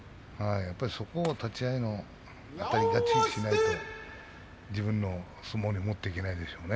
立ち合いにあたり勝ちしないと自分の相撲に持っていけないでしょうね。